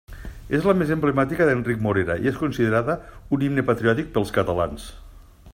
És la més emblemàtica d'Enric Morera i és considerada un himne patriòtic pels catalans.